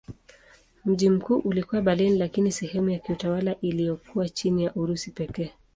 Mji mkuu ulikuwa Berlin lakini sehemu ya kiutawala iliyokuwa chini ya Urusi pekee.